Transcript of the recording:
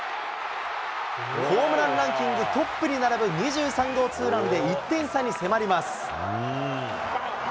ホームランランキングトップに並ぶ２３号ツーランで、１点差に迫ります。